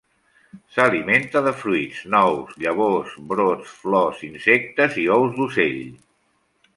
S'alimenta de fruits, nous, llavors, brots, flor, insectes i ous d'ocell.